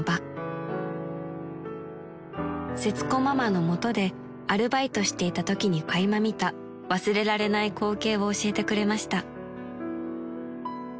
［せつこママの下でアルバイトしていたときに垣間見た忘れられない光景を教えてくれました］